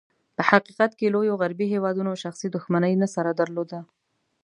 په حقیقت کې، لوېو غربي هېوادونو شخصي دښمني نه سره درلوده.